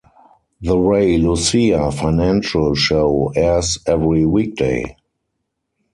The Ray Lucia financial show airs every weekday.